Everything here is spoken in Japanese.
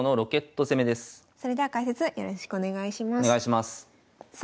それでは解説よろしくお願いします。